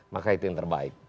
maka itu yang terbaik